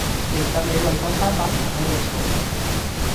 其實你為嗰三百蚊喺度嘈